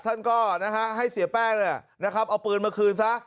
ท่านก็ให้เสียแป้งเอาปืนมาคืนซะ